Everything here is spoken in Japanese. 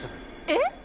えっ？